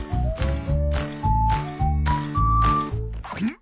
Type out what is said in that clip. ん？